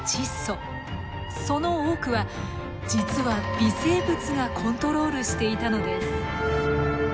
その多くは実は微生物がコントロールしていたのです。